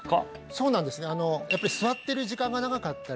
そうなんですね